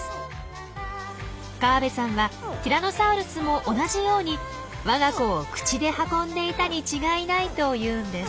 河部さんはティラノサウルスも同じようにわが子を口で運んでいたに違いないと言うんです。